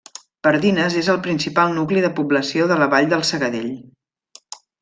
Pardines és el principal nucli de població de la Vall del Segadell.